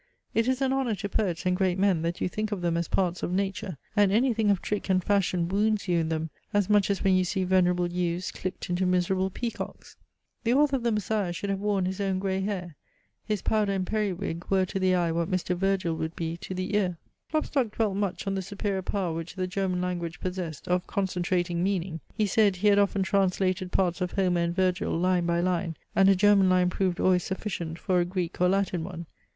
It is an honour to poets and great men, that you think of them as parts of nature; and anything of trick and fashion wounds you in them, as much as when you see venerable yews clipped into miserable peacocks. The author of THE MESSIAH should have worn his own grey hair. His powder and periwig were to the eye what Mr. Virgil would be to the ear. Klopstock dwelt much on the superior power which the German language possessed of concentrating meaning. He said, he had often translated parts of Homer and Virgil, line by line, and a German line proved always sufficient for a Greek or Latin one.